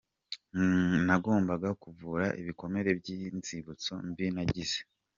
Nagombaga kuvura ibikomere by’inzibutso mbi nagize.